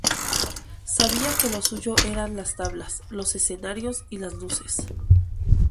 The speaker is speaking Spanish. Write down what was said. Sabía que lo suyo eran las tablas, los escenarios y las luces.